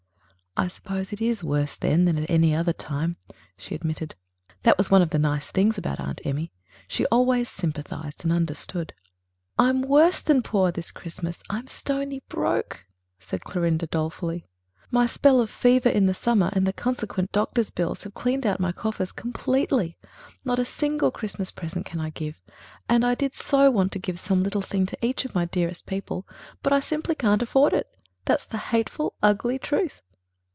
"I suppose it is worse then than at any other time," she admitted. That was one of the nice things about Aunt Emmy. She always sympathized and understood. "I'm worse than poor this Christmas ... I'm stony broke," said Clorinda dolefully. "My spell of fever in the summer and the consequent doctor's bills have cleaned out my coffers completely. Not a single Christmas present can I give. And I did so want to give some little thing to each of my dearest people. But I simply can't afford it ... that's the hateful, ugly truth."